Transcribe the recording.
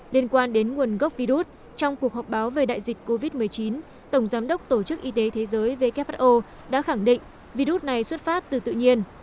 liên quan đến nguồn gốc virus trong cuộc họp báo về đại dịch covid một mươi chín tổng giám đốc tổ chức y tế thế giới who đã khẳng định virus này xuất phát từ tự nhiên